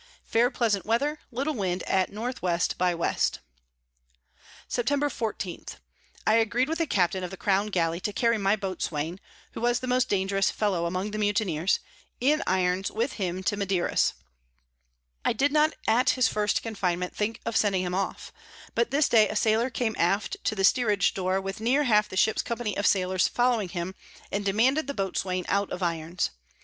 Fair pleasant Weather, little Wind at N W by W. [Sidenote: Arrival among the Canary Isles.] Sept. 14. I agreed with the Captain of the Crown Galley to carry my Boatswain (who was the most dangerous Fellow among the Mutineers) in Irons with him to Maderas. I did not at his first Confinement think of sending him off; but this day a Sailor came aft to the Steeridg Door, with near half the Ship's Company of Sailors following him, and demanded the Boatswain out of Irons.